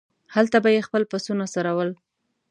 هلته به یې خپل پسونه څرول.